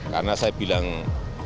karena saya bilang tidak boleh